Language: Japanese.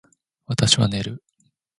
私は寝る